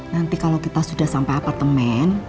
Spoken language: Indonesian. nanti kalau kita sudah sampai apartemen